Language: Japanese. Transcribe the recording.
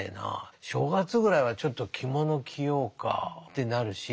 正月ぐらいはちょっと着物着ようかってなるし。